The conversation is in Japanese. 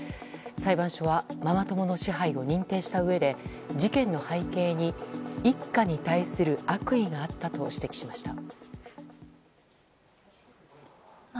裁判所はママ友の支配を認定したうえで事件の背景に、一家に対する悪意があったと指摘しました。